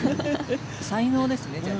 才能ですね、じゃあ。